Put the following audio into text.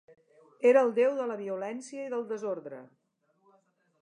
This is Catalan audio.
Era el déu de la violència i del desordre.